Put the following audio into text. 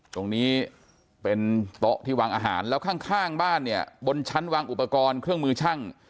ตรงนี้เป็นโต๊ะที่วางอาหารแล้วข้างบ้านเนี่ยบนชั้นวางอุปกรณ์เครื่องมือช่าง